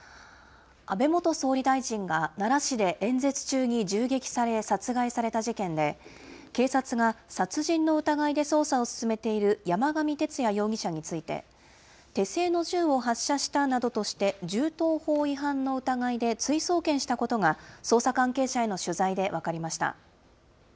安倍元総理大臣が奈良市で演説中に銃撃され、殺害された事件で、警察が殺人の疑いで捜査を進めている山上徹也容疑者について、手製の銃を発射したなどとして、銃刀法違反の疑いで追送検したことが、捜査関係者への取材で分かりました。